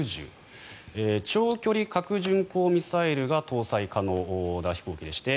長距離核巡航ミサイルが搭載可能な飛行機でして